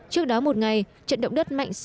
trước đó một ngày trận động đất mạnh